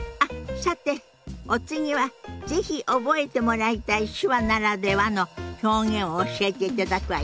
さてお次は是非覚えてもらいたい手話ならではの表現を教えていただくわよ。